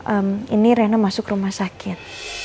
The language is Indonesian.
ehm ini rena masuk rumah sakit